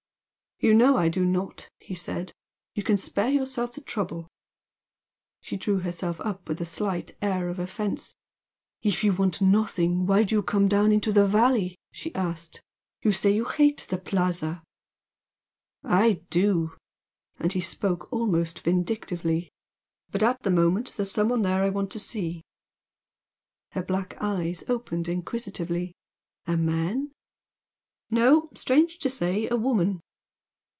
"You know I do not" he said "You can spare yourself the trouble." She drew herself up with a slight air of offence. "If you want nothing why do you come down into the valley?" she asked. "You say you hate the Plaza!" "I do!" and he spoke almost vindictively "But, at the moment, there's some one there I want to see." Her black eyes opened inquisitively. "A man?" "No. Strange to say, a woman."